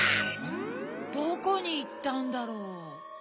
どこにいったんだろう？